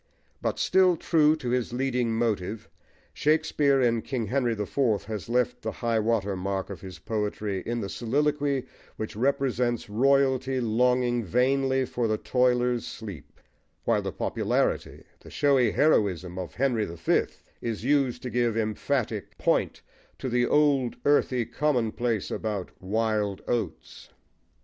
But still true to his leading motive, Shakespeare, in King Henry the Fourth, has left the high water mark of his poetry in the soliloquy which represents royalty longing vainly for the toiler's sleep; while the popularity, the showy heroism, of Henry the Fifth, is used to give emphatic point to the old earthy commonplace about "wild oats."